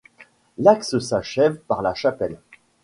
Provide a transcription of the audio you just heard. L'axe s'achève par la chapelle.